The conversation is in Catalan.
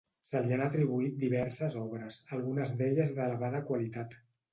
Se li han atribuït diverses obres, algunes d'elles d'elevada qualitat.